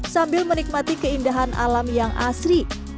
sambil menikmati keindahan alam yang asri